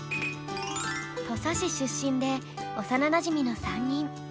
土佐市出身で幼なじみの３人。